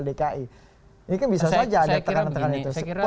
ini kan bisa saja ada tekanan tekanan itu